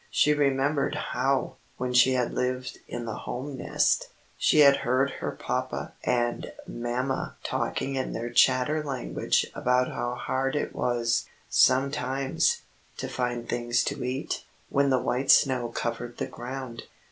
She remembered how, when she had lived in the home nest, she had heard her papa and mamma talking in their chatter language about how hard it was, sometimes, to find things to eat, when the white snow covered the ground.